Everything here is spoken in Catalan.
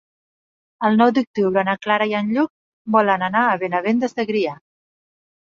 El nou d'octubre na Clara i en Lluc volen anar a Benavent de Segrià.